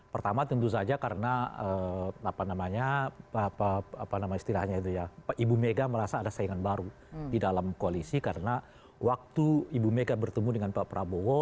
pertama tentu saja karena apa namanya istilahnya itu ya ibu mega merasa ada saingan baru di dalam koalisi karena waktu ibu mega bertemu dengan pak prabowo